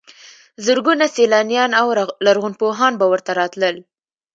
زرګونه سیلانیان او لرغونپوهان به ورته راتلل.